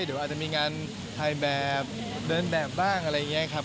เดี๋ยวอาจจะมีงานถ่ายแบบเดินแบบบ้างอะไรอย่างนี้ครับ